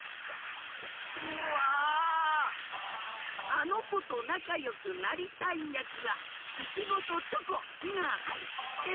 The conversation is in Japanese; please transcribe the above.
あのことなかよくなりたいやきはイチゴとチョコ・ンがはいってる！